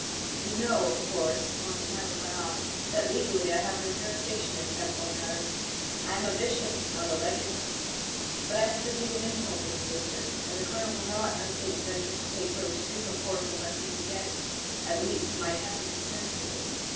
"You know, of course," Montanelli went on, "that legally I have no jurisdiction in temporal matters; I am a bishop, not a legate. But I have a good deal of influence in this district; and the colonel will not, I think, venture to take so extreme a course unless he can get, at least, my tacit consent to it.